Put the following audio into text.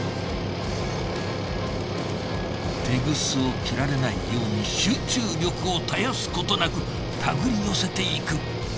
テグスを切られないように集中力を絶やすことなく手繰り寄せていく。